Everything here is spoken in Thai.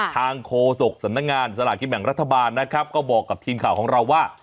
ทางโคสักสนักงานสละนิบแห่งรัฐบาลนะครับก็บอกกับทีมข่าวของเราว่า